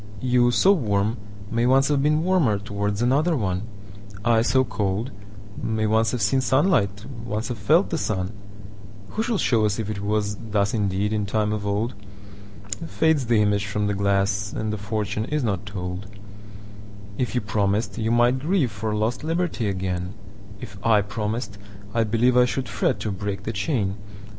You, so warm, may once have beenWarmer towards another one:I, so cold, may once have seenSunlight, once have felt the sun:Who shall show us if it wasThus indeed in time of old? Fades the image from the glass, And the fortune is not told. If you promised, you might grieveFor lost liberty again:If I promised, I believeI should fret to break the chain.